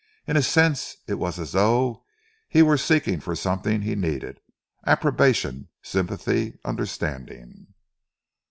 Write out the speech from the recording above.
In a sense it was as though he were seeking for something he needed approbation, sympathy, understanding.